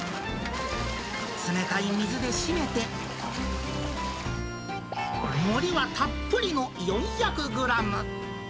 冷たい水で締めて、盛りはたっぷりの４００グラム。